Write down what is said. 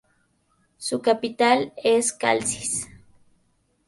Su capital es Calcis.